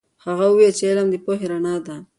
هغه وویل چې علم د پوهې رڼا ده.